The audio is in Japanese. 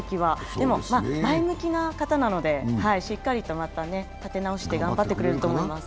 でも、前向きな方なので、しっかりとまた立て直して頑張ってくれると思います。